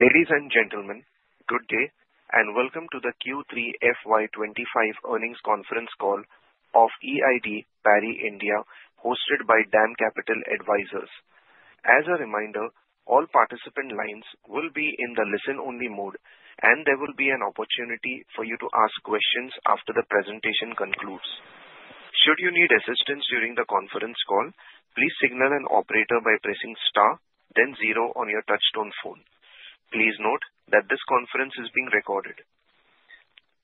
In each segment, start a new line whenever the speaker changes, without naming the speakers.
Ladies and gentlemen, good day and welcome to the Q3 FY25 Earnings Conference Call of E.I.D. Parry India, hosted by DAM Capital Advisors. As a reminder, all participant lines will be in the listen-only mode, and there will be an opportunity for you to ask questions after the presentation concludes. Should you need assistance during the conference call, please signal an operator by pressing star, then zero on your touch-tone phone. Please note that this conference is being recorded.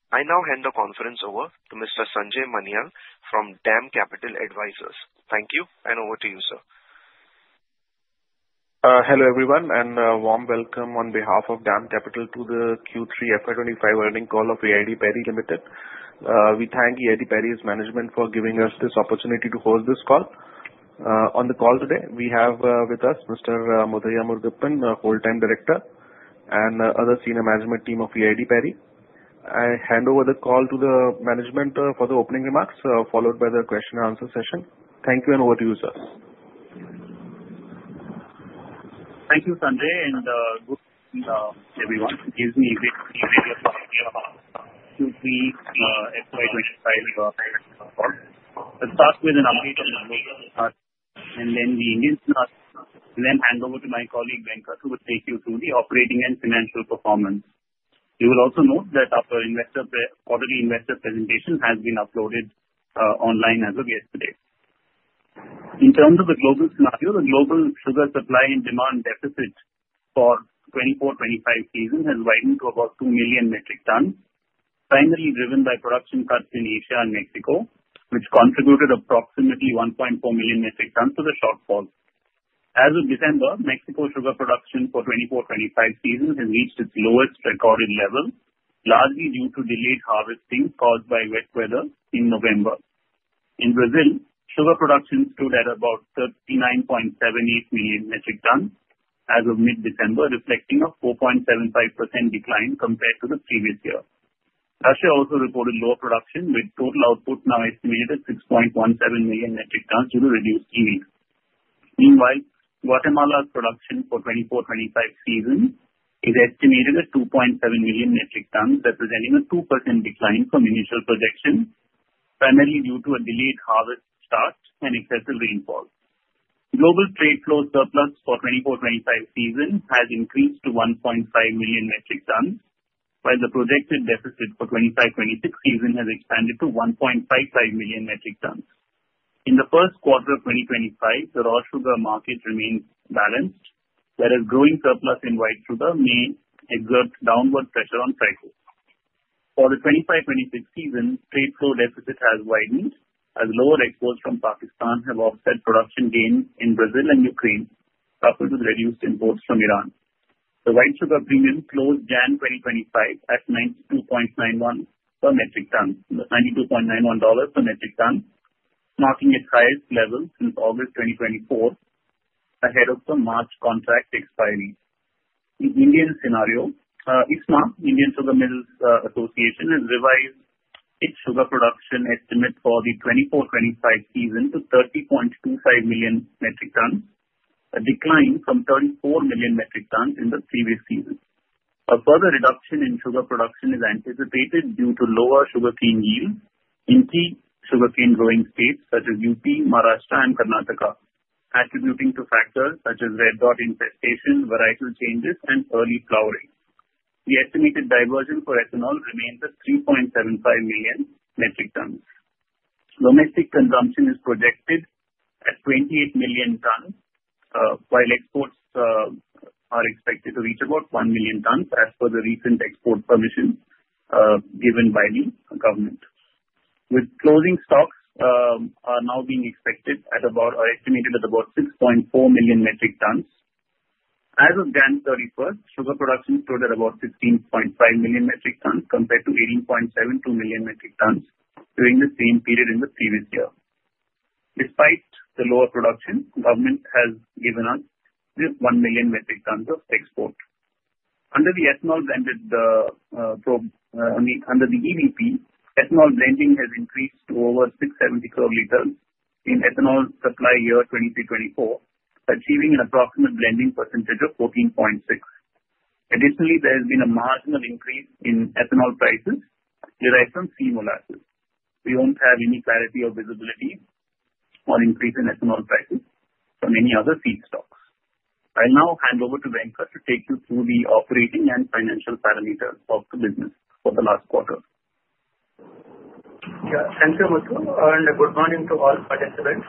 I now hand the conference over to Mr. Sanjay Manyal from DAM Capital Advisors. Thank you, and over to you, sir.
Hello everyone, and a warm welcome on behalf of DAM Capital to the Q3 FY25 earnings call of E.I.D. Parry Limited. We thank E.I.D. Parry's management for giving us this opportunity to host this call. On the call today, we have with us Mr. Muthu Murugappan, a full-time director, and other senior management team of E.I.D. Parry. I hand over the call to the management for the opening remarks, followed by the question-and-answer session. Thank you, and over to you, sir.
Thank you, Sanjay, and good evening to everyone. It gives me great pleasure to be here on our Q3 FY25 earnings conference call. Let's start with an update on the global results, and then we will hand over to my colleague Venkat, who will take you through the operating and financial performance. You will also note that our quarterly investor presentation has been uploaded online as of yesterday. In terms of the global scenario, the global sugar supply and demand deficit for the 2024-25 season has widened to about two million metric tons, primarily driven by production cuts in Asia and Mexico, which contributed approximately 1.4 million metric tons to the shortfall. As of December, Mexico's sugar production for the 2024-25 season has reached its lowest recorded level, largely due to delayed harvesting caused by wet weather in November. In Brazil, sugar production stood at about 39.78 million metric tons as of mid-December, reflecting a 4.75% decline compared to the previous year. Russia also reported lower production, with total output now estimated at 6.17 million metric tons due to reduced heating. Meanwhile, Guatemala's production for the 2024-25 season is estimated at 2.7 million metric tons, representing a 2% decline from initial projections, primarily due to a delayed harvest start and excessive rainfall. Global trade flow surplus for the 2024-25 season has increased to 1.5 million metric tons, while the projected deficit for the 2025-26 season has expanded to 1.55 million metric tons. In the first quarter of 2025, the raw sugar market remains balanced, whereas growing surplus in white sugar may exert downward pressure on prices. For the 25-26 season, trade flow deficit has widened as lower exports from Pakistan have offset production gains in Brazil and Ukraine, coupled with reduced imports from Iran. The white sugar premium closed January 2025 at 92.91 per metric ton, $92.91 per metric ton, marking its highest level since August 2024, ahead of the March contract expiry. In the Indian scenario, ISMA, Indian Sugar Mills Association, has revised its sugar production estimate for the 24-25 season to 30.25 million metric tons, a decline from 34 million metric tons in the previous season. A further reduction in sugar production is anticipated due to lower sugarcane yields in key sugarcane-growing states such as UP, Maharashtra, and Karnataka, attributing to factors such as red rot infestation, varietal changes, and early flowering. The estimated diversion for ethanol remains at 3.75 million metric tons. Domestic consumption is projected at 28 million tons, while exports are expected to reach about 1 million tons as per the recent export permissions given by the government. With closing stocks now being expected at about, or estimated at about, 6.4 million metric tons. As of January 31, sugar production stood at about 16.5 million metric tons compared to 18.72 million metric tons during the same period in the previous year. Despite the lower production, the government has given us 1 million metric tons of export. Under the ethanol blended, I mean, under the EBP, ethanol blending has increased to over 670 crore liters in ethanol supply year 2023-24, achieving an approximate blending percentage of 14.6%. Additionally, there has been a marginal increase in ethanol prices derived from C-molasses. We don't have any clarity or visibility on increase in ethanol prices from any other feedstocks. I'll now hand over to Venkat to take you through the operating and financial parameters of the business for the last quarter.
Yeah, thank you, Muthu, and good morning to all participants.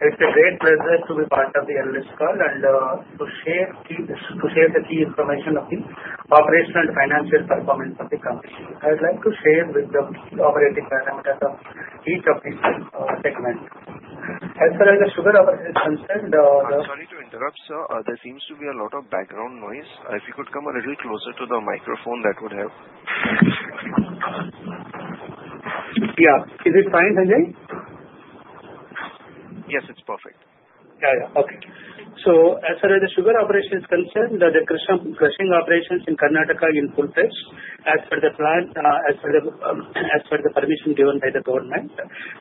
It's a great pleasure to be part of the analyst call and to share the key information of the operational and financial performance of the company. I'd like to share with the key operating parameters of each of these segments. As far as the sugar is concerned, the.
I'm sorry to interrupt, sir. There seems to be a lot of background noise. If you could come a little closer to the microphone, that would help.
Yeah, is it fine, Sanjay?
Yes, it's perfect.
Yeah, yeah, okay. So as far as the sugar operations concerned, the crushing operations in Karnataka in full pace as per the plan, as per the permission given by the government.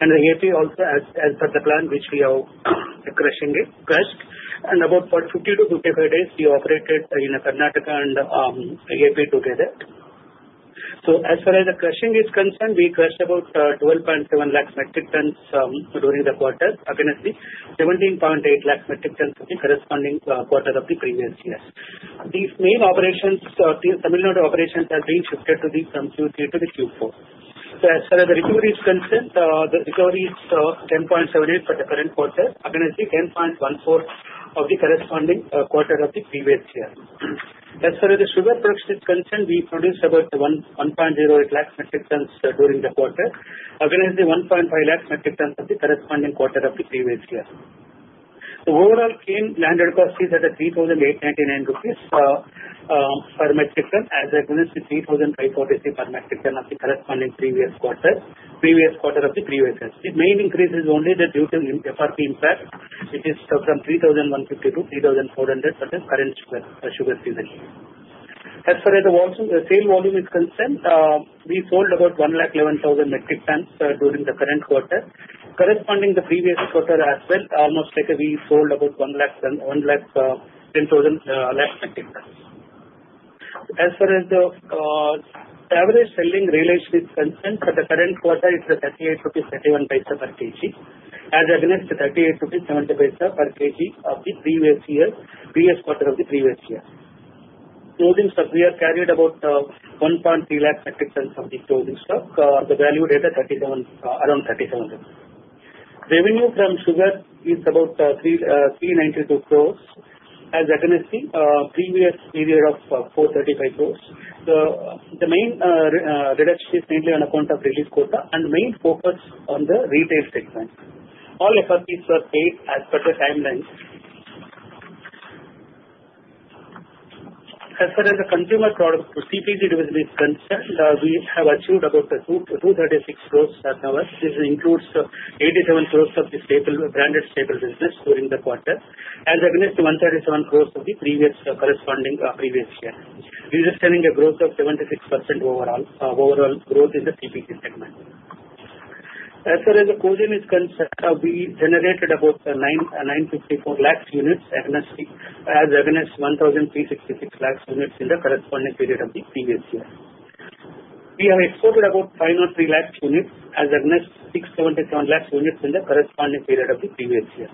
And the AP also, as per the plan which we are crushing it, crushed. And about 50-55 days, we operated in Karnataka and AP together. So as far as the crushing is concerned, we crushed about 12.7 lakh metric tons during the quarter, against the 17.8 lakh metric tons of the corresponding quarter of the previous year. These main operations, the similar operations have been shifted to the Q3 to the Q4. So as far as the recovery is concerned, the recovery is 10.78 for the current quarter, against the 10.14 of the corresponding quarter of the previous year. As far as the sugar production is concerned, we produced about 1.08 lakh metric tons during the quarter, against the 1.5 lakh metric tons of the corresponding quarter of the previous year. The overall cane landed cost is at 3,899 rupees per metric ton, as against the 3,543 per metric ton of the corresponding previous quarter, previous quarter of the previous year. The main increase is only due to FRP impact, which is from 3,150 to 3,400 for the current sugar season. As far as the sale volume is concerned, we sold about 111,000 metric tons during the current quarter, corresponding to the previous quarter as well, almost like we sold about 110,000 metric tons. As far as the average selling realization is concerned, for the current quarter, it's at 38.31 per kg, as against the 38.70 per kg of the previous year, previous quarter of the previous year. Closing stock, we have carried about 1.3 lakh metric tons of the closing stock, valued at around 37 rupees. Revenue from sugar is about 392 crores, as against the previous period of 435 crores. The main reduction is mainly on account of release quota and main focus on the retail segment. All FRPs were paid as per the timelines. As far as the consumer product CPG division is concerned, we have achieved about 236 crores as of now. This includes 87 crores of the branded staple business during the quarter, as against 137 crores of the previous corresponding year, representing a growth of 76% overall growth in the CPG segment. As far as the cogen is concerned, we generated about 954 lakh units, as against 1,366 lakh units in the corresponding period of the previous year. We have exported about 503 lakh units, as against 677 lakh units in the corresponding period of the previous year.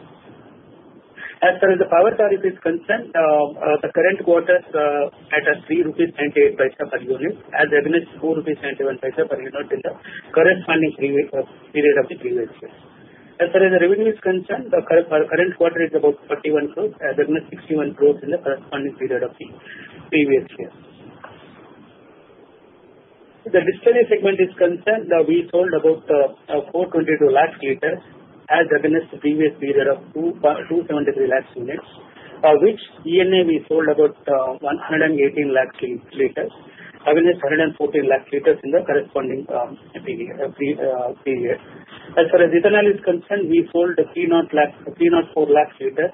As far as the power tariff is concerned, the current quarter is at 3.98 rupees per unit, as against 4.91 rupees per unit in the corresponding period of the previous year. As far as the revenue is concerned, the current quarter is about 41 crores, as against 61 crores in the corresponding period of the previous year. The distillery segment is concerned. We sold about 422 lakh liters, as against the previous period of 273 lakh units, of which ENA we sold about 118 lakh liters, against 114 lakh liters in the corresponding period. As far as ethanol is concerned, we sold 304 lakh liters.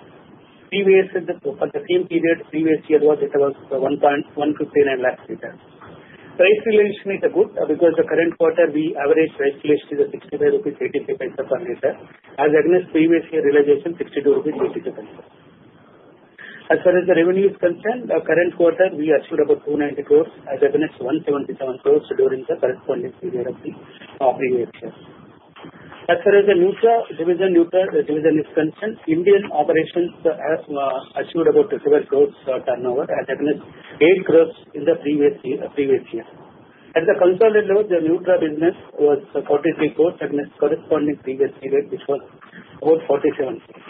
Previously, for the same period, previous year was at about 159 lakh liters. Price realization is good because the current quarter we average price realization is at 65.83 per liter, as against previous year realization 62.82 rupees. As far as the revenue is concerned, the current quarter we achieved about 290 crore, as against 177 crore during the corresponding period of the previous year. As far as the Nutra division is concerned, Indian operations achieved about 12 crore turnover as against 8 crore in the previous year. At the consolidated level, the nutraceuticals business was 43 crores against corresponding previous period, which was about 47 crores.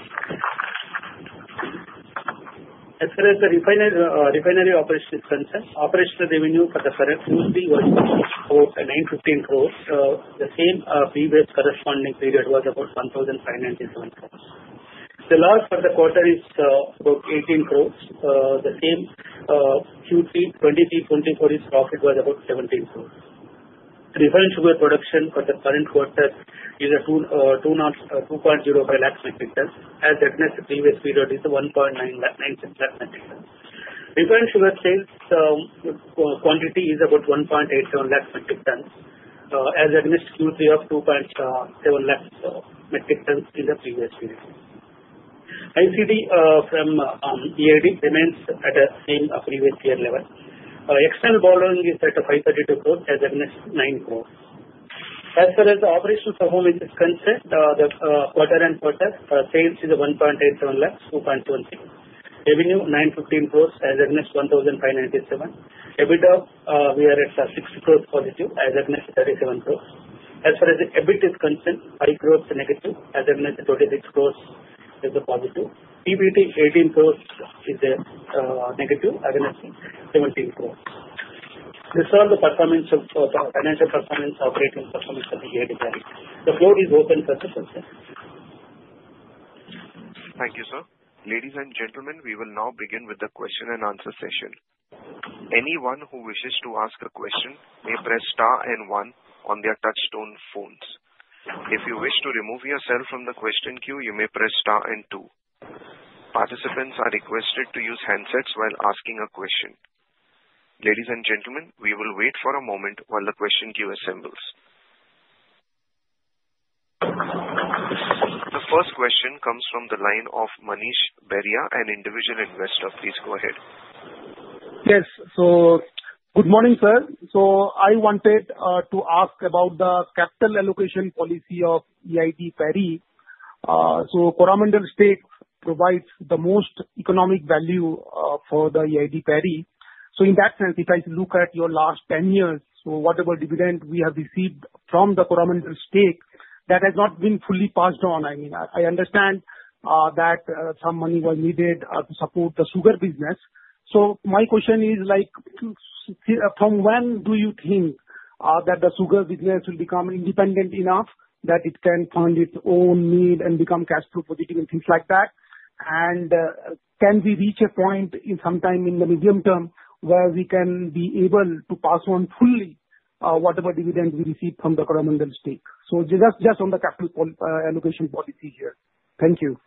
As far as the refinery operations concerned, operational revenue for the current Q3 was about 915 crores. The same previous corresponding period was about 1,597 crores. The loss for the quarter is about 18 crores. The same Q3 2023-24 profit was about 17 crores. Refined sugar production for the current quarter is 2.05 lakh metric tons, as against the previous period is 1.96 lakh metric tons. Refined sugar sales quantity is about 1.87 lakh metric tons, as against Q3 of 2.7 lakh metric tons in the previous period. ICD from E.I.D. remains at the same previous year level. External borrowing is at 532 crores as against 9 crores. As far as the operational performance is concerned, the quarter-end quarter sales is 1.87 lakhs, 2.26. Revenue 915 crores as against 1,597. EBITDA, we are at 6 crores positive as against 37 crores. As far as the EBIT is concerned, INR 5 crores negative as against 26 crores is positive. EBIT is INR 18 crores negative as against 17 crores. This is all the performance of financial performance, operating performance of the E.I.D. - Parry. The floor is open for the questions.
Thank you, sir. Ladies and gentlemen, we will now begin with the question and answer session. Anyone who wishes to ask a question may press star and one on their touchtone phones. If you wish to remove yourself from the question queue, you may press star and two. Participants are requested to use handsets while asking a question. Ladies and gentlemen, we will wait for a moment while the question queue assembles. The first question comes from the line of Manish Beria, an individual investor. Please go ahead.
Yes, so good morning, sir. So I wanted to ask about the capital allocation policy of E.I.D. - Parry. So Coromandel stake provides the most economic value for the E.I.D. - Parry. So in that sense, if I look at your last 10 years, so whatever dividend we have received from the Coromandel stake, that has not been fully passed on. I mean, I understand that some money was needed to support the sugar business. So my question is, from when do you think that the sugar business will become independent enough that it can fund its own need and become cash-flow positive and things like that? And can we reach a point sometime in the medium term where we can be able to pass on fully whatever dividend we receive from the Coromandel stake? So just on the capital allocation policy here. Thank you.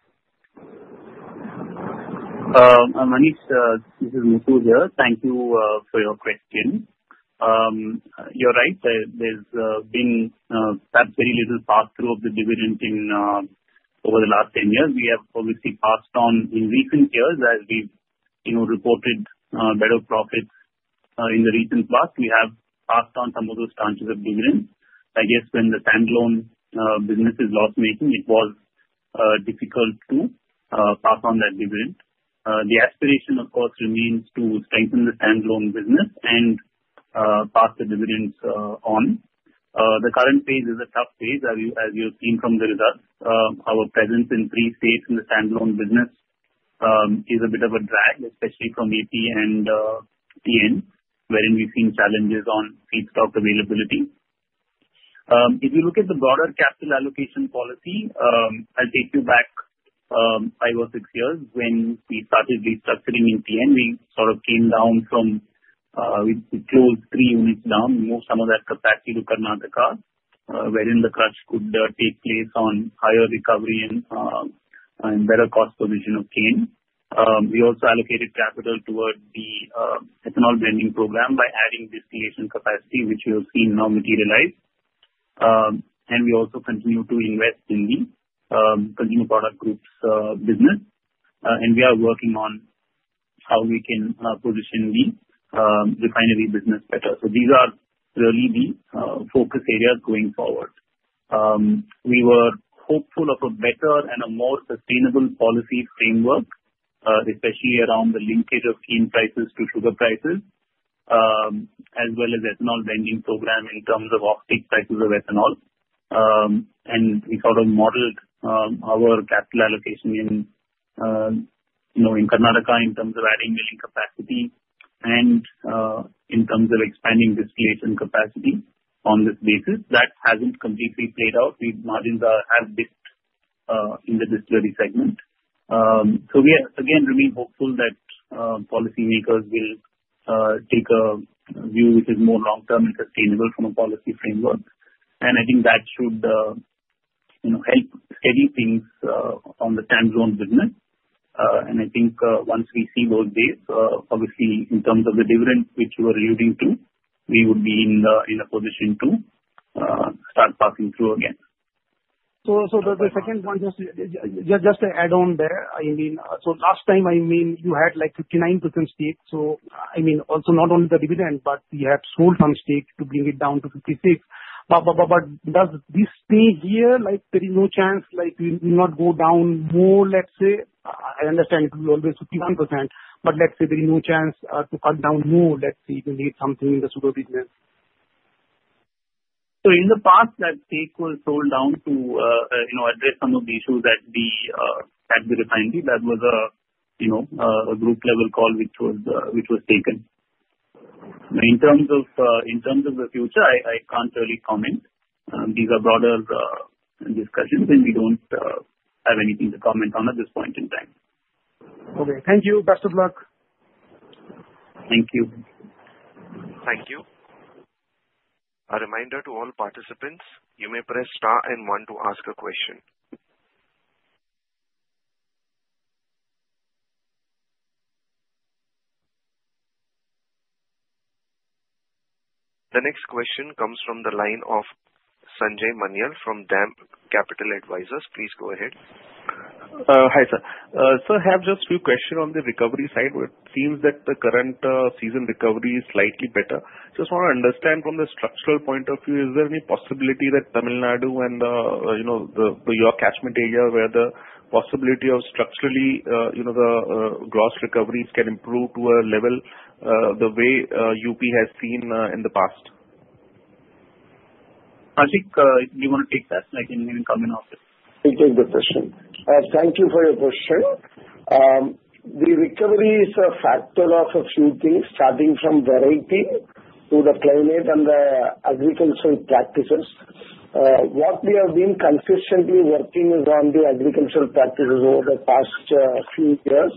Manish, this is Muthu here. Thank you for your question. You're right. There's been perhaps very little pass-through of the dividend over the last 10 years. We have obviously passed on in recent years, as we've reported better profits in the recent past. We have passed on some of those tranches of dividends. I guess when the standalone business is loss-making, it was difficult to pass on that dividend. The aspiration, of course, remains to strengthen the standalone business and pass the dividends on. The current phase is a tough phase, as you have seen from the results. Our presence in three states in the standalone business is a bit of a drag, especially from AP and TN, wherein we've seen challenges on seed stock availability. If you look at the broader capital allocation policy, I'll take you back five or six years when we started restructuring in TN. We sort of came down from. We closed three units down, moved some of that capacity to Karnataka, wherein the crush could take place on higher recovery and better cost position in TN. We also allocated capital toward the ethanol blending program by adding distillation capacity, which we have seen now materialize. We also continue to invest in the consumer products group business. We are working on how we can position the refinery business better. These are really the focus areas going forward. We were hopeful of a better and a more sustainable policy framework, especially around the linkage of MSP prices to sugar prices, as well as ethanol blending program in terms of off-peak prices of ethanol. We sort of modeled our capital allocation in Karnataka in terms of adding milling capacity and in terms of expanding distillation capacity on this basis. That hasn't completely played out. Margins have dipped in the distillery segment. So we again remain hopeful that policymakers will take a view which is more long-term and sustainable from a policy framework. And I think that should help steady things on the standalone business. And I think once we see those days, obviously in terms of the dividend which you were alluding to, we would be in a position to start passing through again.
So the second point is just to add on there. I mean, so last time, I mean, you had like 59% stake. So I mean, also not only the dividend, but you have sold some stake to bring it down to 56. But does this stay here? There is no chance we will not go down more, let's say? I understand it will be always 51%, but let's say there is no chance to cut down more, let's say, to need something in the sugar business.
So in the past, that stake was sold down to address some of the issues at the refinery. That was a group-level call which was taken. In terms of the future, I can't really comment. These are broader discussions, and we don't have anything to comment on at this point in time.
Okay. Thank you. Best of luck.
Thank you.
Thank you. A reminder to all participants, you may press star and one to ask a question. The next question comes from the line of Sanjay Manyal from DAM Capital Advisors. Please go ahead.
Hi sir. So I have just a few questions on the recovery side. It seems that the current season recovery is slightly better. Just want to understand from the structural point of view, is there any possibility that Tamil Nadu and the Karnataka area where the possibility of structurally the gross recoveries can improve to a level the way UP has seen in the past?
I think you want to take that. I can even come in after.
Thank you for the question. Thank you for your question. The recovery is a factor of a few things, starting from variety to the climate and the agricultural practices. What we have been consistently working on the agricultural practices over the past few years.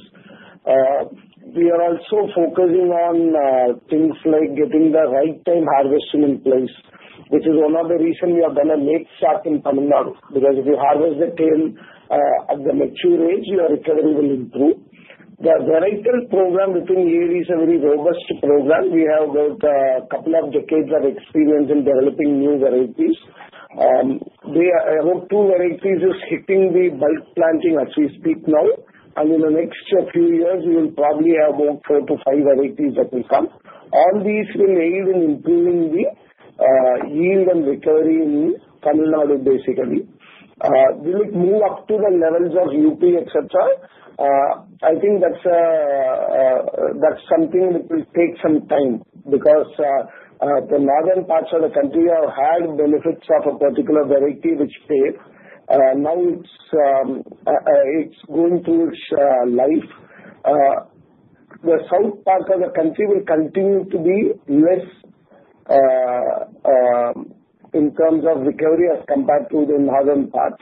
We are also focusing on things like getting the right time harvesting in place, which is one of the reasons we are going to make sure in Tamil Nadu. Because if you harvest the cane at the mature age, your recovery will improve. The varietal program within E.I.D. is a very robust program. We have a couple of decades of experience in developing new varieties. About two varieties are hitting the bulk planting as we speak now. And in the next few years, we will probably have about four to five varieties that will come. All these will aid in improving the yield and recovery in Tamil Nadu, basically. Will it move up to the levels of UP, etc.? I think that's something that will take some time because the northern parts of the country have had benefits of a particular variety which failed. Now it's going through its life. The south part of the country will continue to be less in terms of recovery as compared to the northern part,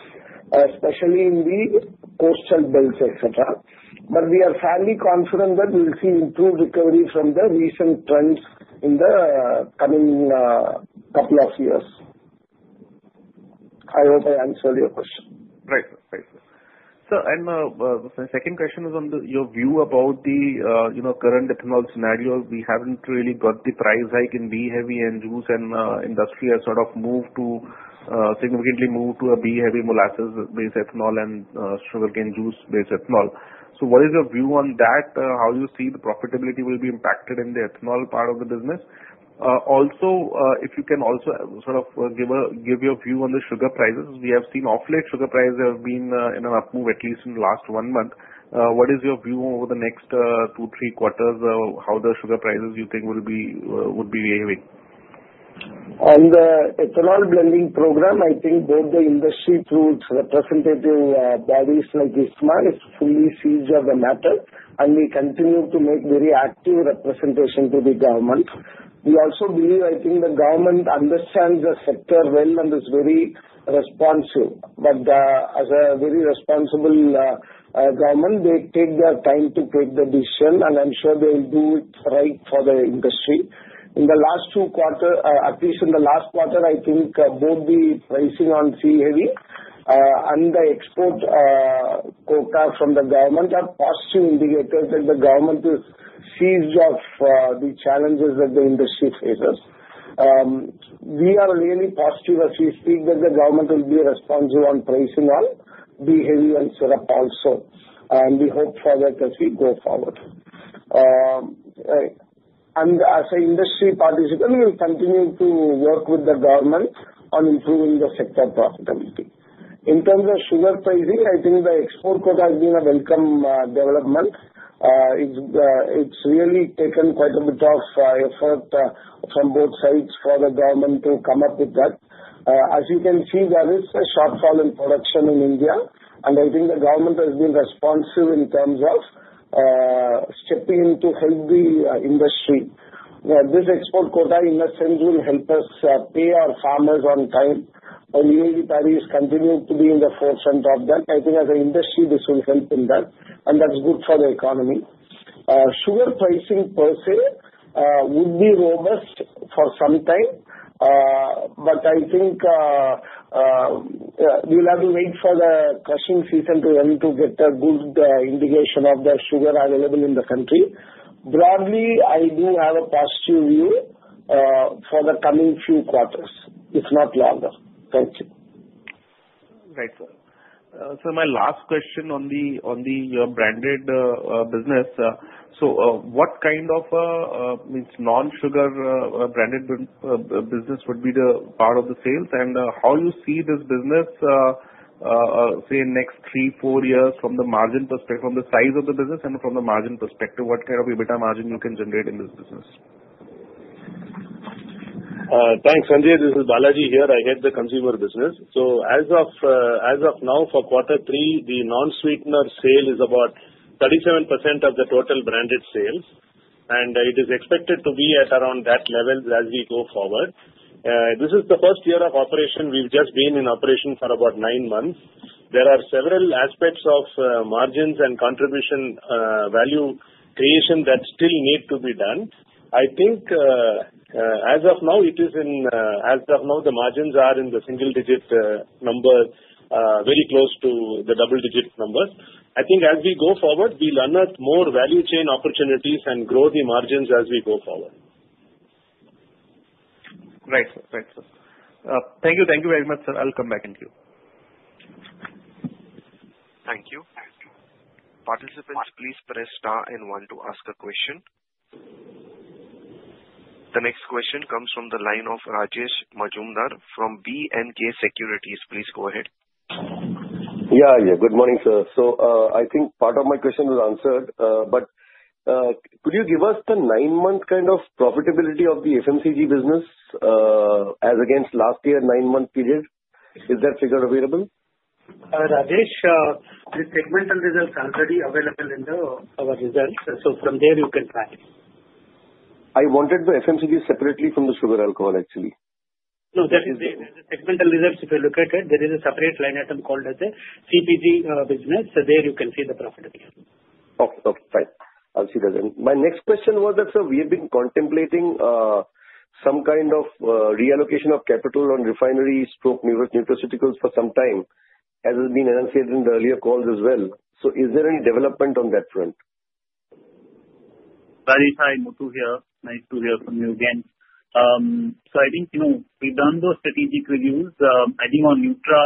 especially in the coastal belts, etc. But we are fairly confident that we'll see improved recovery from the recent trends in the coming couple of years. I hope I answered your question.
Right. Right. My second question is on your view about the current ethanol scenario. We haven't really got the price hike in B-heavy and juice, and the industry has sort of significantly moved to a B-heavy molasses-based ethanol and sugarcane juice-based ethanol. What is your view on that? How do you see the profitability will be impacted in the ethanol part of the business? Also, if you can also sort of give your view on the sugar prices. We have seen off-take sugar prices have been in an upmove at least in the last one month. What is your view over the next two, three quarters of how the sugar prices you think will be behaving?
On the ethanol blending program, I think both the industry through representative bodies like ISMA is fully seized of the matter, and we continue to make very active representation to the government. We also believe, I think the government understands the sector well and is very responsive. But as a very responsible government, they take their time to take the decision, and I'm sure they will do it right for the industry. In the last two quarters, at least in the last quarter, I think both the pricing on C-heavy and the export quota from the government are positive indicators that the government is seized of the challenges that the industry faces. We are really positive as we speak that the government will be responsive on pricing on B-heavy and syrup also. And we hope for that as we go forward. As an industry participant, we will continue to work with the government on improving the sector profitability. In terms of sugar pricing, I think the export quota has been a welcome development. It's really taken quite a bit of effort from both sides for the government to come up with that. As you can see, there is a shortfall in production in India, and I think the government has been responsive in terms of stepping into help the industry. This export quota, in a sense, will help us pay our farmers on time. EID Parry is continuing to be in the forefront of that. I think as an industry, this will help in that, and that's good for the economy. Sugar pricing per se would be robust for some time, but I think we'll have to wait for the crushing season to end to get a good indication of the sugar available in the country. Broadly, I do have a positive view for the coming few quarters, if not longer. Thank you.
Right. So my last question on your branded business. So what kind of non-sugar branded business would be part of the sales? And how do you see this business, say, in the next three, four years from the margin perspective, from the size of the business and from the margin perspective? What kind of EBITDA margin you can generate in this business?
Thanks, Sanjay. This is Balaji here. I head the consumer business. So as of now, for quarter three, the non-sweetener sale is about 37% of the total branded sales, and it is expected to be at around that level as we go forward. This is the first year of operation. We've just been in operation for about nine months. There are several aspects of margins and contribution value creation that still need to be done. I think as of now, the margins are in the single-digit numbers, very close to the double-digit numbers. I think as we go forward, we'll unearth more value chain opportunities and grow the margins as we go forward.
Right. Right. Thank you. Thank you very much, sir. I'll come back and queue.
Thank you. Participants, please press star and one to ask a question. The next question comes from the line of Rajesh Majumdar from BNK Securities. Please go ahead.
Yeah. Yeah. Good morning, sir. So I think part of my question was answered, but could you give us the nine-month kind of profitability of the FMCG business as against last year's nine-month period? Is that figure available?
Rajesh, the segmental results are already available in our results, so from there, you can track.
I wanted the FMCG separately from the sugar alcohol, actually.
No, there is the segmental results. If you look at it, there is a separate line item called the CPG business. So there you can see the profitability.
Okay. Fine. I'll see that. And my next question was that, sir, we have been contemplating some kind of reallocation of capital on refinery/nutraceuticals for some time, as has been enunciated in the earlier calls as well. So is there any development on that front?
Very sorry. Muthu here. Nice to hear from you again. So I think we've done those strategic reviews. I think on NUTRA,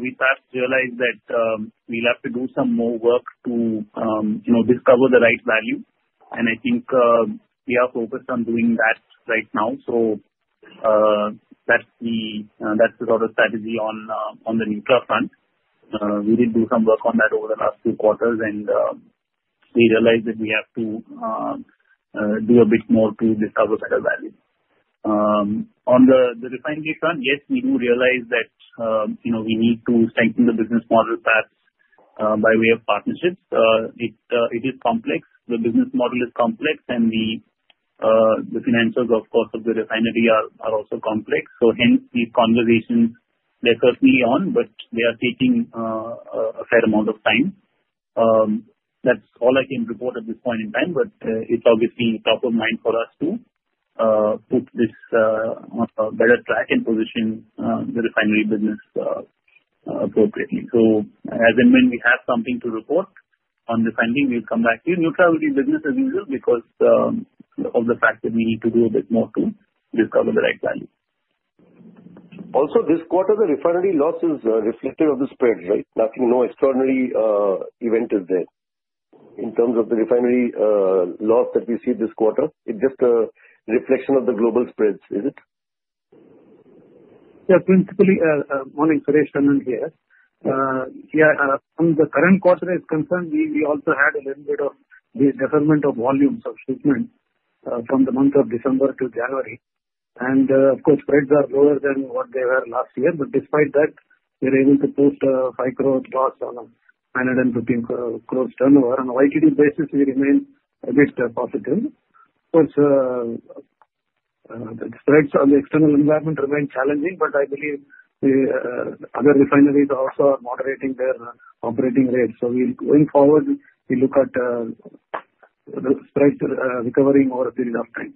we perhaps realized that we'll have to do some more work to discover the right value. And I think we are focused on doing that right now. So that's the sort of strategy on the NUTRA front. We did do some work on that over the last few quarters, and we realized that we have to do a bit more to discover better value. On the refinery front, yes, we do realize that we need to strengthen the business model perhaps by way of partnerships. It is complex. The business model is complex, and the finances, of course, of the refinery are also complex. So hence, these conversations, they're certainly on, but they are taking a fair amount of time. That's all I can report at this point in time, but it's obviously top of mind for us to put this on a better track and position the refinery business appropriately. So as and when we have something to report on refinery, we'll come back to you. NUTRA will be business as usual because of the fact that we need to do a bit more to discover the right value.
Also, this quarter, the refinery loss is reflective of the spread, right? Nothing, no extraordinary event is there in terms of the refinery loss that we see this quarter. It's just a reflection of the global spreads, is it?
Yeah. Good morning, Suresh S. here. Yeah. As far as the current quarter is concerned, we also had a little bit of the deferment of volumes of shipment from the month of December to January. And of course, spreads are lower than what they were last year, but despite that, we were able to post a 5% EBITDA loss on a 15% lower turnover. On a YTD basis, we remained a bit positive. Of course, the spreads and the external environment remain challenging, but I believe the other refineries also are moderating their operating rates. So going forward, we look at the spreads recovering over a period of time.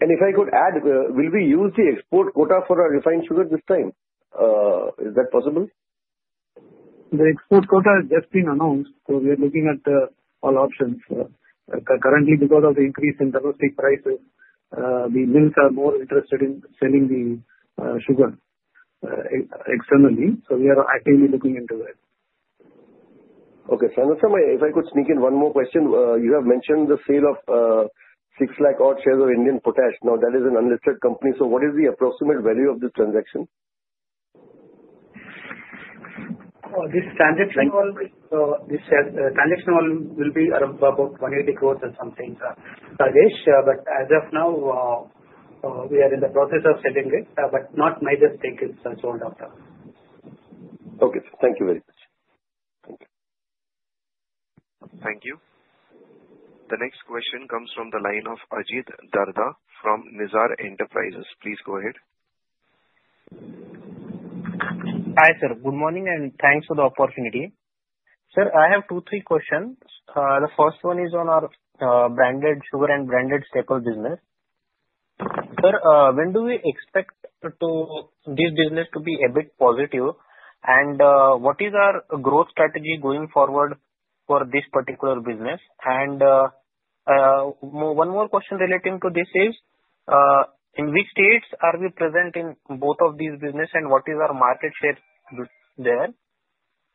If I could add, will we use the export quota for our refined sugar this time? Is that possible?
The export quota has just been announced, so we're looking at all options. Currently, because of the increase in domestic prices, the mills are more interested in selling the sugar externally. So we are actively looking into that.
Okay. Sanjay Manyal, if I could sneak in one more question. You have mentioned the sale of 6 lakh odd shares of Indian Potash. Now, that is an unlisted company. So what is the approximate value of this transaction?
This transaction will be around about 180 crores and something, Rajesh. But as of now, we are in the process of selling it, but no major stake is sold out.
Okay. Thank you very much. Thank you.
Thank you. The next question comes from the line of Ajit Darda from Nirzar Enterprises. Please go ahead.
Hi sir. Good morning and thanks for the opportunity. Sir, I have two, three questions. The first one is on our branded sugar and branded staple business. Sir, when do we expect this business to be a bit positive? And what is our growth strategy going forward for this particular business? And one more question relating to this is, in which states are we present in both of these businesses and what is our market share there?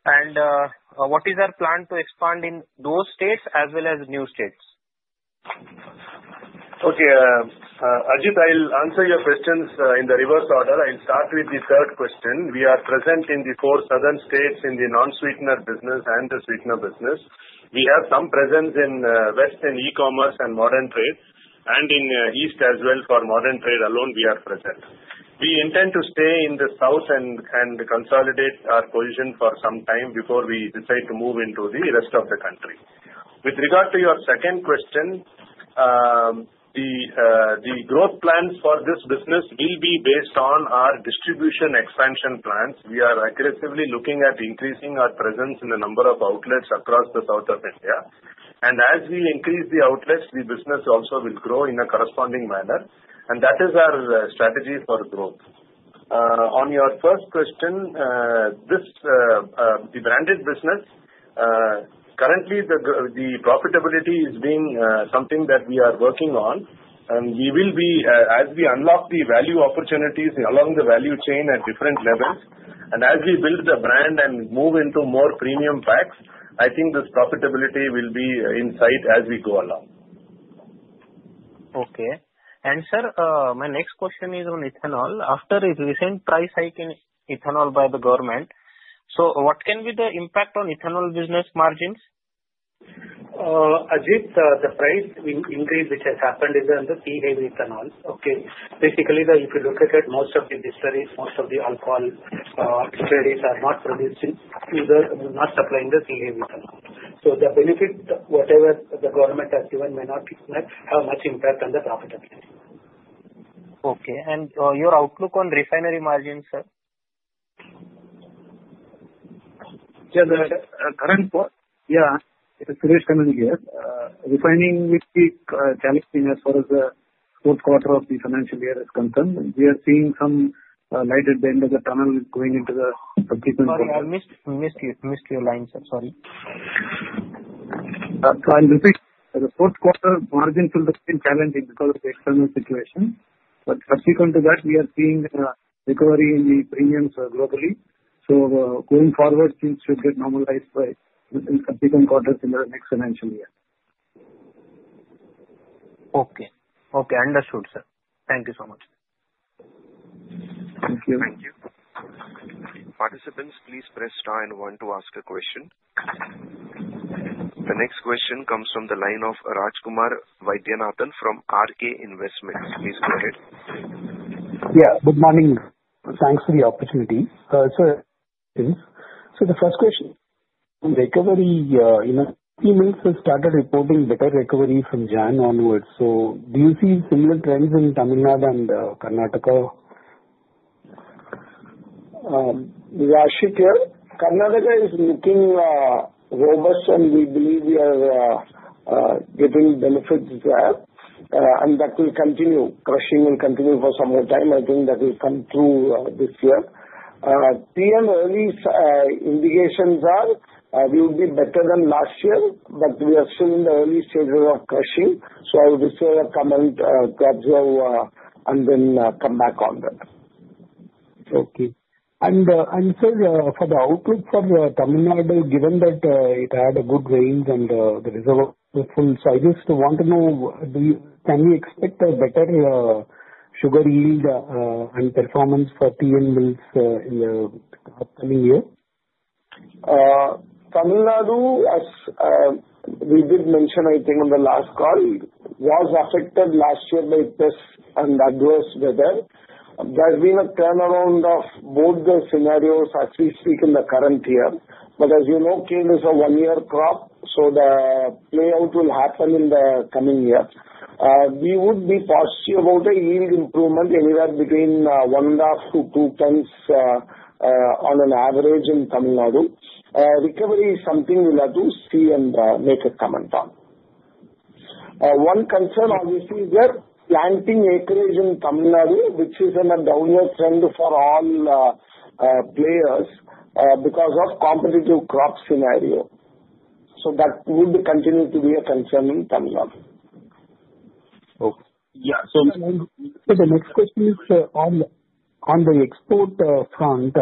And what is our plan to expand in those states as well as new states?
Okay. Ajit, I'll answer your questions in the reverse order. I'll start with the third question. We are present in the four southern states in the non-sweetener business and the sweetener business. We have some presence in western e-commerce and modern trade, and in the east as well for modern trade alone we are present. We intend to stay in the south and consolidate our position for some time before we decide to move into the rest of the country. With regard to your second question, the growth plans for this business will be based on our distribution expansion plans. We are aggressively looking at increasing our presence in the number of outlets across the south of India. And as we increase the outlets, the business also will grow in a corresponding manner. And that is our strategy for growth. On your first question, the branded business, currently the profitability is being something that we are working on, and we will be, as we unlock the value opportunities along the value chain at different levels, and as we build the brand and move into more premium packs, I think this profitability will be in sight as we go along.
Okay, and sir, my next question is on ethanol. After a recent price hike in ethanol by the government, so what can be the impact on ethanol business margins?
Ajit, the price increase which has happened is on the C-heavy ethanol. Okay. Basically, if you look at it, most of the distilleries, most of the alcohol distilleries are not producing either, not supplying the C-heavy ethanol. So the benefit, whatever the government has given, may not have much impact on the profitability.
Okay. And your outlook on refinery margins, sir?
Yeah. The current quarter, yeah, it is Suresh Samay here. Refining will be challenging as far as the fourth quarter of the financial year is concerned. We are seeing some light at the end of the tunnel going into the treatment process.
Sorry, I missed your line, sir. Sorry.
So I'll repeat. The fourth quarter margin field has been challenging because of the external situation. But subsequent to that, we are seeing recovery in the premiums globally. So going forward, things should get normalized in subsequent quarters in the next financial year.
Okay. Okay. Understood, sir. Thank you so much.
Thank you.
Thank you. Participants, please press star and one to ask a question. The next question comes from the line of Rajkumar Vaidyanathan from RK Investments. Please go ahead.
Yeah. Good morning. Thanks for the opportunity. So the first question: recovery. Few mills have started reporting better recovery from January onwards. So do you see similar trends in Tamil Nadu and Karnataka?
Rajesh here. Karnataka is looking robust, and we believe we are getting benefits there, and that will continue. Crushing will continue for some more time. I think that will come through this year. Our early indications are we will be better than last year, but we are still in the early stages of crushing, so I will reserve a comment to observe and then come back on that.
Okay. And sir, for the outlook for Tamil Nadu, given that it had good rains and the reservoirs were full, so I just want to know, can we expect a better sugar yield and performance for TN mills in the upcoming year?
Tamil Nadu, as we did mention, I think on the last call, was affected last year by pest and adverse weather. There has been a turnaround of both the scenarios, as we speak, in the current year, but as you know, cane is a one-year crop, so the playout will happen in the coming year. We would be positive about a yield improvement anywhere between one and a half to two tons on an average in Tamil Nadu. Recovery is something we'll have to see and make a comment on. One concern, obviously, is that planting acreage in Tamil Nadu, which is in a downward trend for all players because of competitive crop scenario, so that would continue to be a concern in Tamil Nadu.
Okay. Yeah. So the next question is on the export front,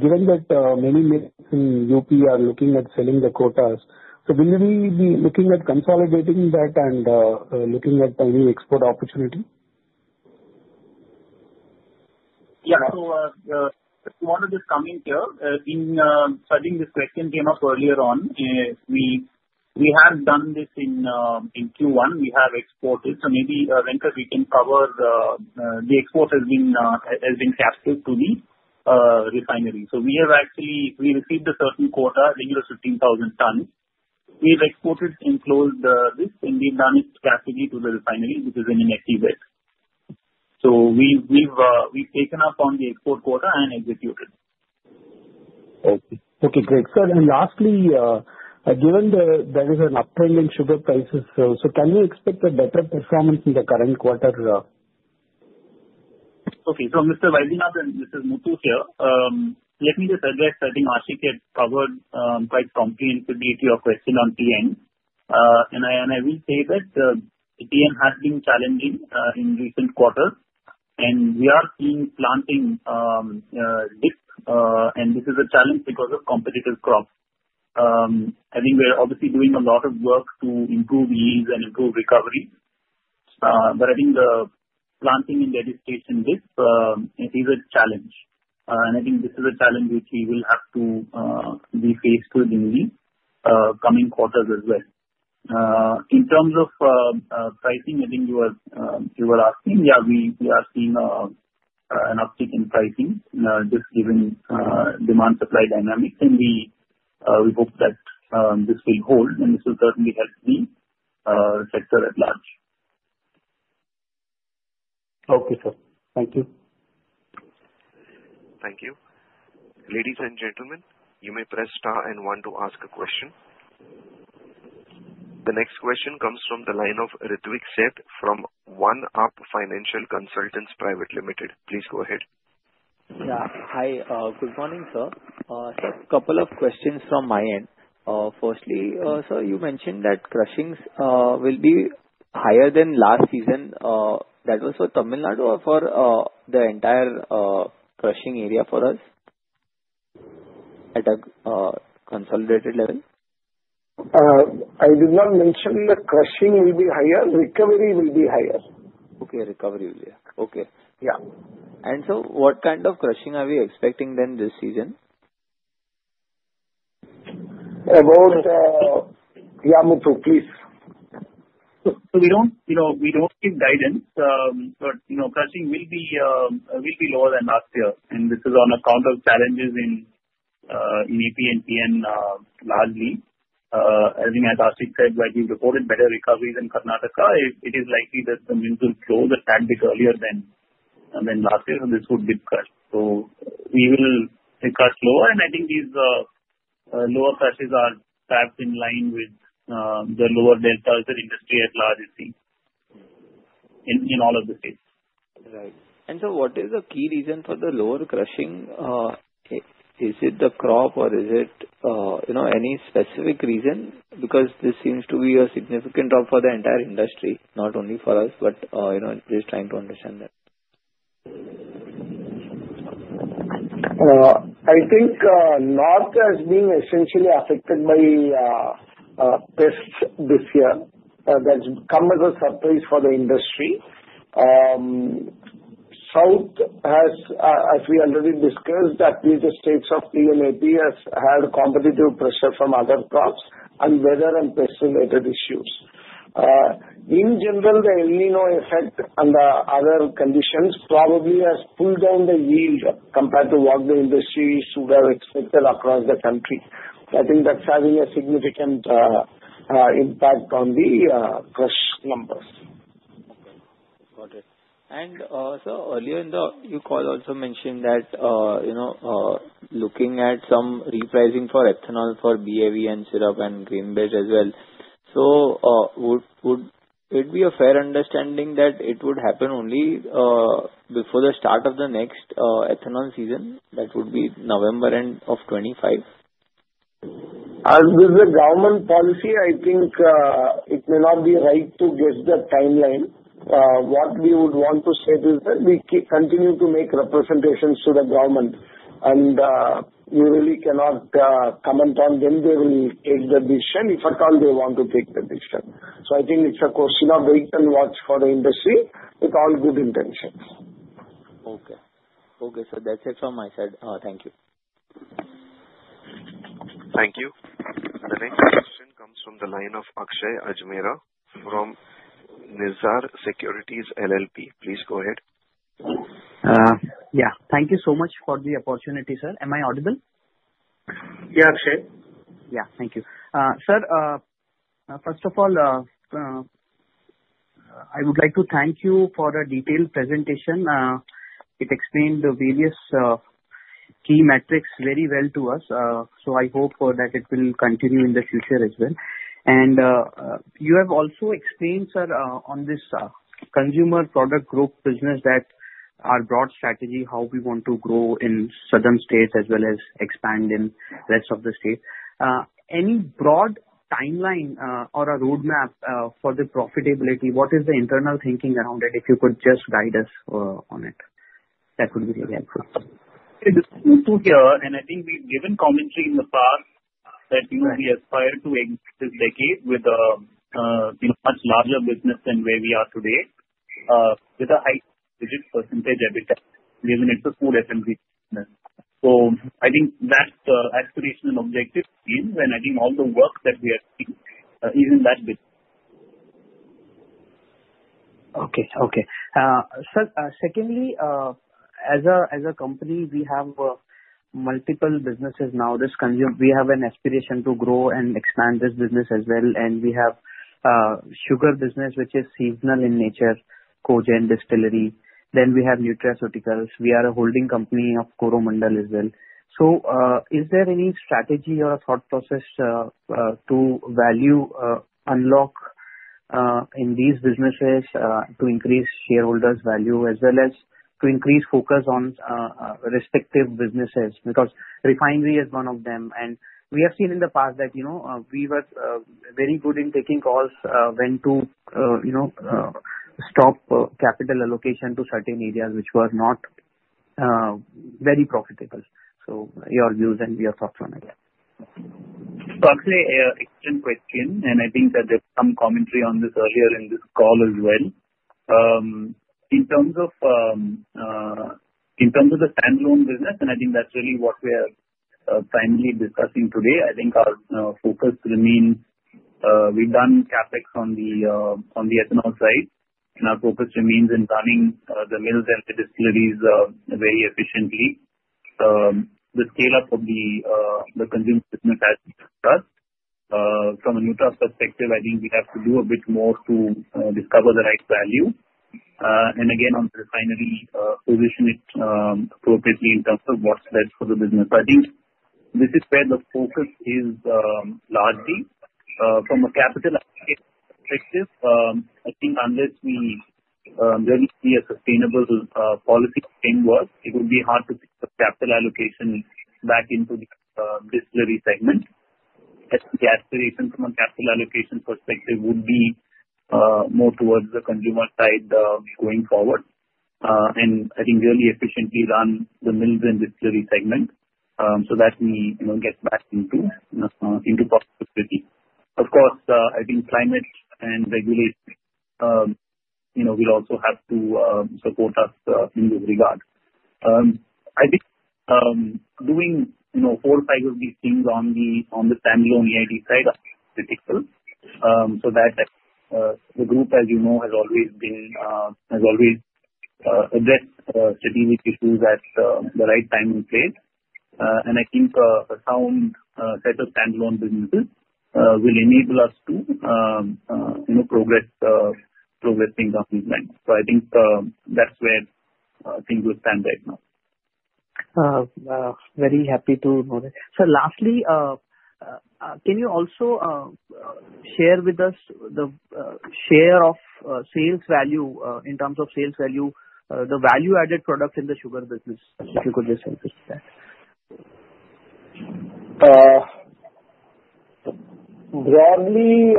given that many mills in UP are looking at selling the quotas, so will we be looking at consolidating that and looking at any export opportunity?
Yeah. One of the comments here, regarding this question, came up earlier on. We have done this in Q1. We have exported. Maybe the entire export we can cover has been captured to the refinery. We have actually received a certain quota, a range of 15,000 tons. We have exported and closed this, and we have done it physically to the refinery, which is in Nellikuppam. We have taken up the export quota and executed.
Okay. Great. Sir, and lastly, given that there is an uptrend in sugar prices, so can we expect a better performance in the current quarter?
Okay. Mr. Vaidyanathan and Mr. Muthu, let me just address. I think Rajesh had covered quite promptly and as to your question on TN. I will say that TN has been challenging in recent quarters. We are seeing planting dip, and this is a challenge because of competitive crops. I think we're obviously doing a lot of work to improve yields and improve recovery. But I think the planting and the distillery dip is a challenge. I think this is a challenge which we will have to be faced with in the coming quarters as well. In terms of pricing, I think you were asking, yeah, we are seeing an uptick in pricing just given demand-supply dynamics. We hope that this will hold, and this will certainly help the sector at large.
Okay, sir. Thank you.
Thank you. Ladies and gentlemen, you may press star and one to ask a question. The next question comes from the line of Ritwik Sheth from OneUp Financial Consultants Private Limited. Please go ahead.
Yeah. Hi. Good morning, sir. I have a couple of questions from my end. Firstly, sir, you mentioned that crushings will be higher than last season. That was for Tamil Nadu or for the entire crushing area for us at a consolidated level?
I did not mention the crushing will be higher. Recovery will be higher.
Okay. Recovery will be higher. Okay. Yeah. And so, what kind of crushing are we expecting then this season?
Muthu, please.
We don't give guidance, but crushing will be lower than last year. This is on account of challenges in AP and TN largely. As Rajesh said, while we've reported better recovery than Karnataka, it is likely that the mills will close a tad bit earlier than last year, so this would be the crush. We will crush lower. I think these lower crushes are perhaps in line with the lower deltas that industry at large is seeing in all of the states.
Right. And so, what is the key reason for the lower crushing? Is it the crop, or is it any specific reason? Because this seems to be a significant drop for the entire industry, not only for us, but just trying to understand that.
I think north has been essentially affected by pests this year. That's come as a surprise for the industry. South has, as we already discussed, at least the states of T.N., A.P. has had competitive pressure from other crops and weather and pesticide issues. In general, the El Niño effect and the other conditions probably has pulled down the yield compared to what the industry should have expected across the country. I think that's having a significant impact on the crush numbers.
Okay. Got it. And sir, earlier in the call, you also mentioned that looking at some repricing for ethanol for B-heavy syrup and grain-based as well. So would it be a fair understanding that it would happen only before the start of the next ethanol season? That would be November end of 2025?
As with the government policy, I think it may not be right to guess the timeline. What we would want to say is that we continue to make representations to the government. And we really cannot comment on when they will take the decision, if at all they want to take the decision. So I think it's a question of wait and watch for the industry with all good intentions.
Okay. Okay. So that's it from my side. Thank you.
Thank you. The next question comes from the line of Akshay Ajmera from Nirzar Securities LLP. Please go ahead.
Yeah. Thank you so much for the opportunity, sir. Am I audible?
Yeah, Akshay.
Yeah. Thank you. Sir, first of all, I would like to thank you for a detailed presentation. It explained the various key metrics very well to us. So I hope that it will continue in the future as well. And you have also explained, sir, on this Consumer Product Group business, that our broad strategy, how we want to grow in southern states as well as expand in rest of the states. Any broad timeline or a roadmap for the profitability? What is the internal thinking around it, if you could just guide us on it? That would be very helpful.
It's Muthu here. And I think we've given commentary in the past that we aspire to exit this decade with a much larger business than where we are today, with a high digit percentage EBITDA given it's a food SMB business. So I think that aspiration and objective seems, and I think all the work that we have seen is in that business.
Okay. Okay. Sir, secondly, as a company, we have multiple businesses now. We have an aspiration to grow and expand this business as well. And we have a sugar business, which is seasonal in nature, Cogen Distillery. Then we have Nutraceuticals. We are a holding company of Coromandel as well. So is there any strategy or a thought process to value unlock in these businesses to increase shareholders' value as well as to increase focus on respective businesses? Because refinery is one of them. And we have seen in the past that we were very good in taking calls when to stop capital allocation to certain areas which were not very profitable. So your views and your thoughts on it.
So actually, excellent question. And I think that there's some commentary on this earlier in this call as well. In terms of the standalone business, and I think that's really what we're finally discussing today, I think our focus remains. We've done CapEx on the ethanol side, and our focus remains in running the mills and the distilleries very efficiently. The scale-up of the consumer business has been discussed. From a Nutra perspective, I think we have to do a bit more to discover the right value. And again, on the refinery, position it appropriately in terms of what's best for the business. So I think this is where the focus is largely. From a capital perspective, I think unless we really see a sustainable policy change work, it would be hard to fix the capital allocation back into the distillery segment. The aspiration from a capital allocation perspective would be more towards the consumer side going forward, and I think really efficiently run the mills and distillery segment so that we get back into profitability. Of course, I think climate and regulation will also have to support us in this regard. I think doing four or five of these things on the standalone E.I.D. side is critical so that the group, as you know, has always addressed strategic issues at the right time and place, and I think a sound set of standalone businesses will enable us to progress things on these lines, so I think that's where things will stand right now.
Very happy to know that. So lastly, can you also share with us the share of sales value in terms of sales value, the value-added product in the sugar business, if you could just answer to that?
Broadly,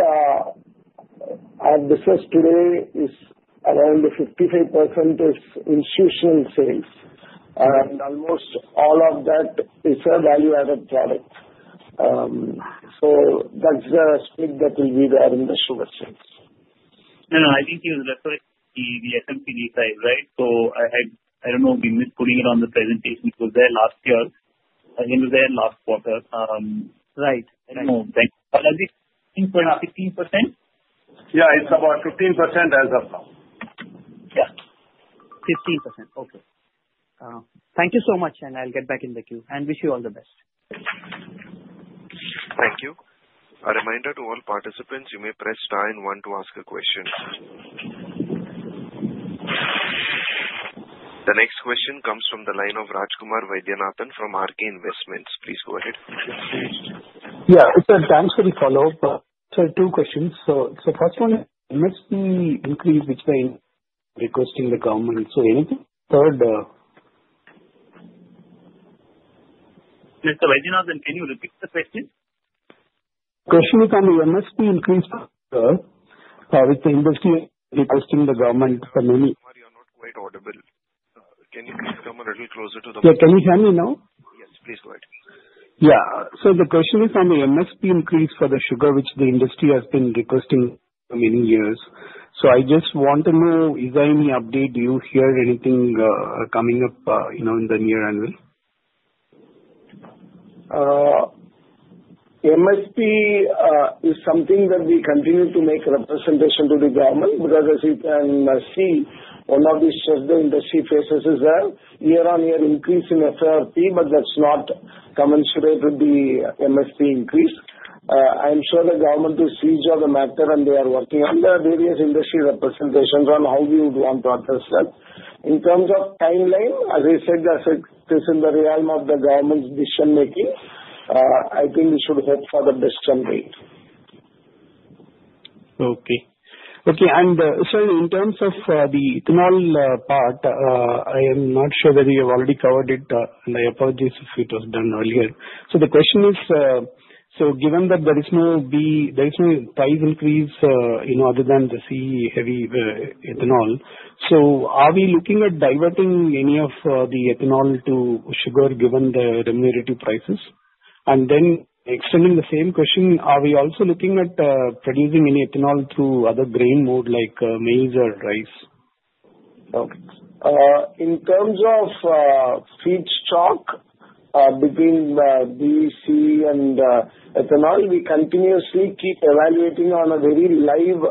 our business today is around 55% is institutional sales. And almost all of that is a value-added product. So that's the split that will be there in the sugar sales.
No, no. I think you referred to the MSP side, right? So I don't know if we missed putting it on the presentation. It was there last year. I think it was there last quarter. Right.
I don't know. Thanks. But I think we're at 15%?
Yeah. It's about 15% as of now.
Yeah.
15%. Okay. Thank you so much, and I'll get back in the queue and wish you all the best.
Thank you. A reminder to all participants, you may press star and one to ask a question. The next question comes from the line of Rajkumar Vaidyanathan from RK Investments. Please go ahead.
Yeah. Sir, thanks for the follow-up. Sir, two questions. So first one, MSP increase, we are requesting the government. So anything? Third.
Mr. Vaidyanathan, can you repeat the question?
Question is on the MSP increase with the industry requesting the government for many.
Rajkumar, you're not quite audible. Can you please come a little closer to the mic?
Yeah. Can you hear me now?
Yes. Please go ahead.
Yeah. So the question is on the MSP increase for the sugar, which the industry has been requesting for many years. So I just want to know, is there any update? Do you hear anything coming up in the near annual?
MSP is something that we continue to make representations to the government because, as you can see, one of the stresses the industry faces is a year-on-year increase in FRP, but that's not commensurate with the MSP increase. I am sure the government will see to the matter, and they are working on the various industry representations on how we would want to address that. In terms of timeline, as I said, that's in the realm of the government's decision-making. I think we should hope for the best someday.
Okay. Okay. And sir, in terms of the ethanol part, I am not sure whether you have already covered it. My apologies if it was done earlier. So the question is, so given that there is no price increase other than the C heavy ethanol, so are we looking at diverting any of the ethanol to sugar given the remunerative prices? And then extending the same question, are we also looking at producing any ethanol through other grain mode like maize or rice?
Okay. In terms of feedstock between B, C, and ethanol, we continuously keep evaluating on a very live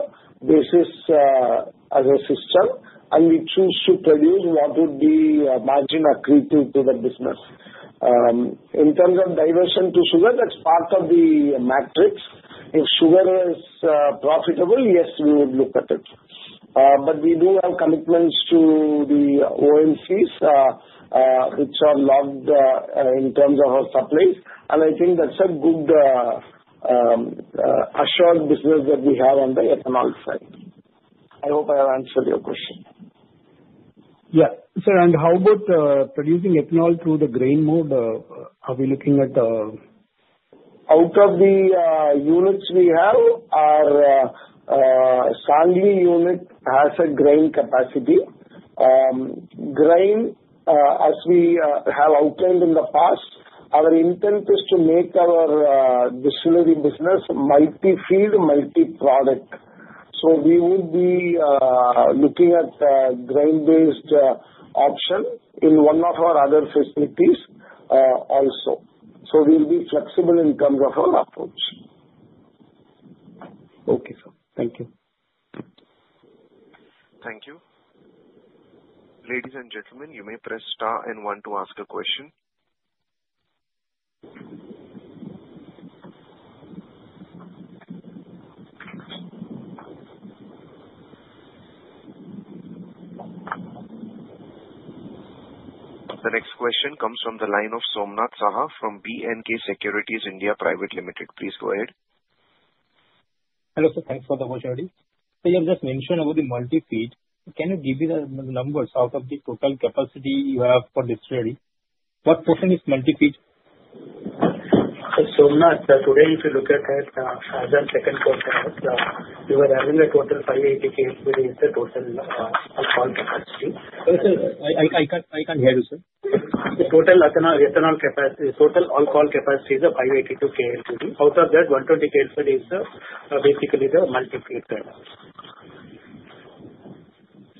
basis as a system. And we choose to produce what would be margin accretive to the business. In terms of diversion to sugar, that's part of the matrix. If sugar is profitable, yes, we would look at it. But we do have commitments to the OMCs, which are locked in terms of our supplies. And I think that's a good assured business that we have on the ethanol side. I hope I have answered your question.
Yeah. Sir, and how about producing ethanol through the grain mode? Are we looking at?
Out of the units we have, our Sangli unit has a grain capacity. Grain, as we have outlined in the past, our intent is to make our distillery business multi-field, multi-product. So we would be looking at a grain-based option in one of our other facilities also. So we'll be flexible in terms of our approach.
Okay. Thank you.
Thank you. Ladies and gentlemen, you may press star and one to ask a question. The next question comes from the line of Somnath Saha from BNK Securities India Private Limited. Please go ahead.
Hello, sir. Thanks for the question, Ajit. So you have just mentioned about the multi-feed. Can you give me the numbers out of the total capacity you have for distillery? What portion is multi-feed?
Somnath, today, if you look at that as a second quarter, we were having a total 580 KLPD is the total alcohol capacity.
I can hear you, sir.
The total alcohol capacity is 582 KLPD. Out of that, 120 KLPD is basically the multi-field right now.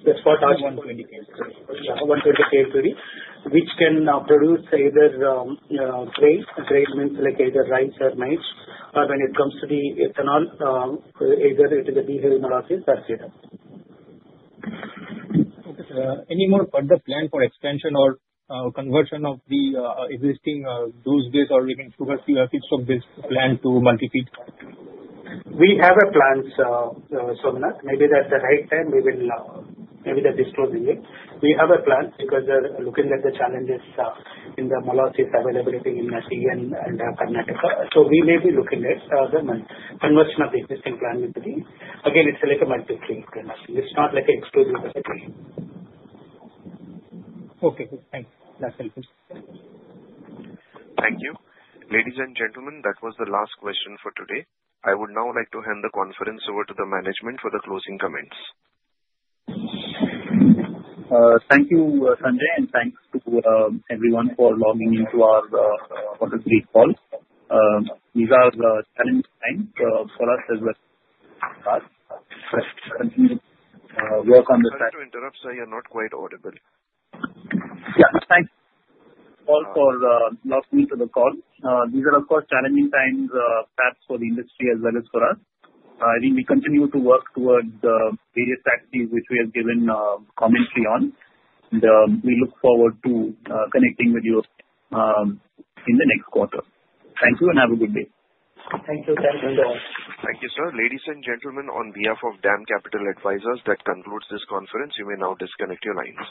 120 KLPD. Yeah, 120 KLPD, which can produce either grain, grain means like either rice or maize. But when it comes to the ethanol, either it is a B-heavy molasses or C-heavy.
Okay. Any more further plan for expansion or conversion of the existing juice-based or sugar-free or feedstock-based plant to multi-feed?
We have a plan, Somnath. Maybe that's the right time. We will maybe that is closing it. We have a plan because looking at the challenges in the molasses availability in SC and Karnataka. So we may be looking at the conversion of the existing plant with the grain. Again, it's like a multi-feed kind of thing. It's not like an exclusive as a grain.
Okay. Thanks. That's helpful.
Thank you. Ladies and gentlemen, that was the last question for today. I would now like to hand the conference over to the management for the closing comments.
Thank you, Sanjay, and thanks to everyone for logging into our great call. These are challenging times for us as well. We'll continue to work on this.
Sorry to interrupt, sir. You're not quite audible.
Yeah. Thanks. Thanks for logging into the call. These are, of course, challenging times, perhaps for the industry as well as for us. I think we continue to work towards the various targets, which we have given commentary on. We look forward to connecting with you in the next quarter. Thank you and have a good day.
Thank you.
Thanks and goodbye.
Thank you, sir. Ladies and gentlemen, on behalf of DAM Capital Advisors, that concludes this conference. You may now disconnect your lines.